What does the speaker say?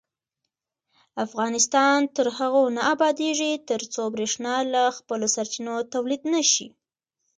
افغانستان تر هغو نه ابادیږي، ترڅو بریښنا له خپلو سرچینو تولید نشي.